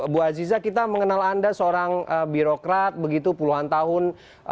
bu aziza kita mengenal anda seorang birokrat begitu puluhan tahun